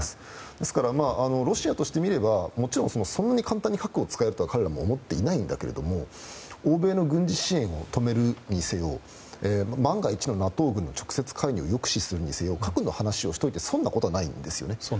ですから、ロシアとしてみればもちろんそんなに簡単に核を使うとは彼らも思っていないんだけれども欧米の軍事支援を止めるにせよ万が一のＮＡＴＯ軍の介入を抑止するにせよ核の話をしておいて損なことはないんですね。